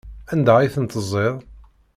Anda ay tent-teẓẓiḍ?